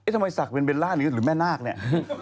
ทำไมสักเป็นเบลล่าหรือแหม่นาฬเนี่ย